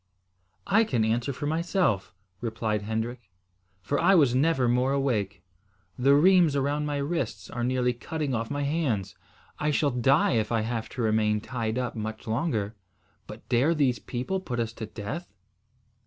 "I can answer for myself," replied Hendrik, "for I was never more awake. The rheims around my wrists are nearly cutting off my hands. I shall die if I have to remain tied up much longer. But dare these people put us to death?"